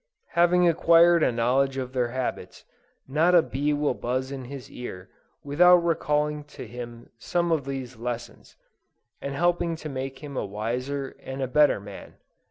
Having acquired a knowledge of their habits, not a bee will buzz in his ear, without recalling to him some of these lessons, and helping to make him a wiser and a better man.